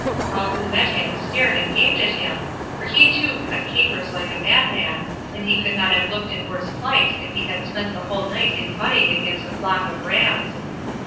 All who met him stared and gaped at him, for he too cut capers like a madman, and he could not have looked in worse plight if he had spent the whole night in butting against a flock of rams.